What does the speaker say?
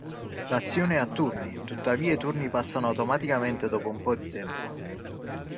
L'azione è a turni, tuttavia i turni passano automaticamente dopo un po' di tempo.